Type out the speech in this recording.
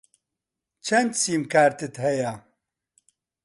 چەند سیمکارتت هەیە؟